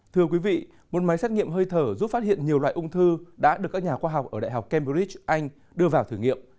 thưa quý vị một máy xét nghiệm hơi thở giúp phát hiện nhiều loại ung thư đã được các nhà khoa học ở đại học cambridge anh đưa vào thử nghiệm